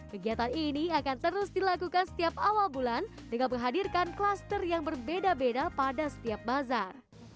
kegiatan ini akan terus dilakukan setiap awal bulan dengan menghadirkan kluster yang berbeda beda pada setiap bazar